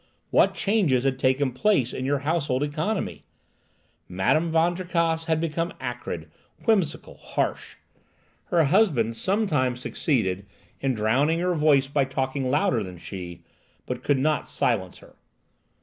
What changes had taken place in your household economy! Madame Van Tricasse had become acrid, whimsical, harsh. Her husband sometimes succeeded in drowning her voice by talking louder than she, but could not silence her.